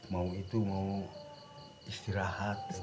mau itu mau istirahat